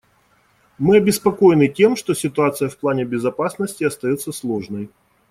Мы обеспокоены тем, что ситуация в плане безопасности остается сложной.